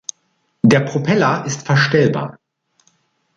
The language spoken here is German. Der Propeller ist verstellbar.